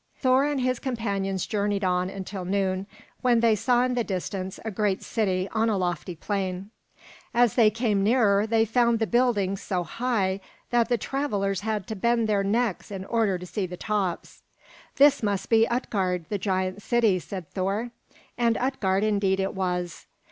Thor and his companions journeyed on until noon, when they saw in the distance a great city, on a lofty plain. As they came nearer, they found the buildings so high that the travelers had to bend back their necks in order to see the tops. "This must be Utgard, the giant city," said Thor. And Utgard indeed it was.